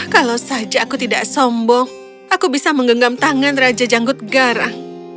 kalau saja aku tidak sombong aku bisa menggenggam tangan raja janggut garang